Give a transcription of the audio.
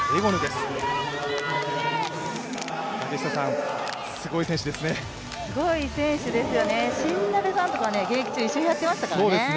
すごい選手ですよね、新鍋さんとか現役中、一緒にやってましたからね。